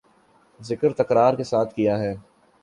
ذکر تکرار کے ساتھ کیا ہے